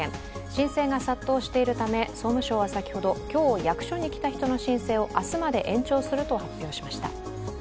申請が殺到しているため、総務省は先ほど、今日、役所に来た人の申請を明日まで延長すると発表しました。